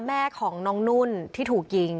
แม่ของน้องนุ่นที่ถูกยิง